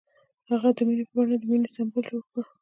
هغه د مینه په بڼه د مینې سمبول جوړ کړ.